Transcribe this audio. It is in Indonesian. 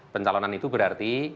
pencalonan itu berarti